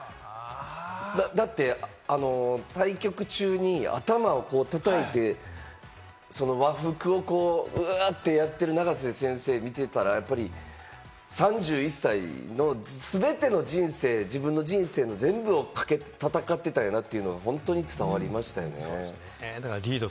だって、対局中に頭を叩いて、和服をウ！ってやってる永瀬先生を見てたら、３１歳、全ての人生、自分の人生の全部をかけて戦ってたんやなというのが本当に伝わりましたよね。